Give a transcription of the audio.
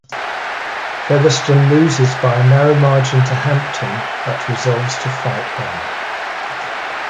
Featherston loses by a narrow margin to Hampton, but resolves to fight on.